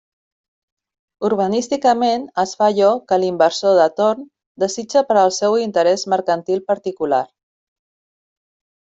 Urbanísticament es fa allò que l'inversor de torn desitja per al seu interés mercantil particular.